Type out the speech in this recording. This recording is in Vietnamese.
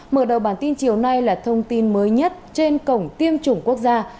mở đầu bản tin chiều nay là thông tin mới nhất trên cổng tiêm chủng quốc gia